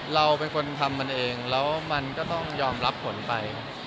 เราเป็นคนทำมันเองแล้วมันก็ต้องยอมรับผลไป